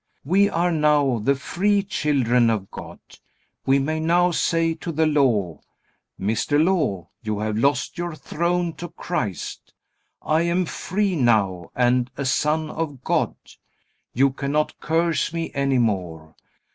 We are now the free children of God. We may now say to the Law: "Mister Law, you have lost your throne to Christ. I am free now and a son of God. You cannot curse me any more."